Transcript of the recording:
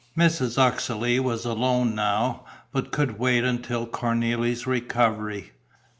Mrs. Uxeley was alone now, but could wait until Cornélie's recovery.